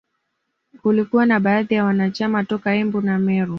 Kulikuwa na baadhi ya wanachama toka Embu na Meru